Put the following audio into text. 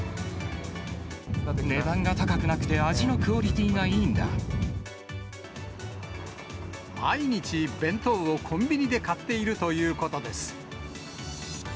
値段が高くなくて、味のクオ毎日、弁当をコンビニで買っているということです。